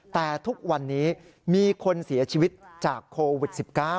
แต่ทุกวันนี้มีคนเสียชีวิตจากโควิด๑๙